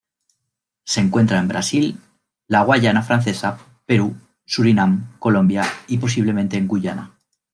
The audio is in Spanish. Se encuentra en Brasil, la Guayana Francesa, Perú, Surinam, Colombia y, posiblemente, en Guyana.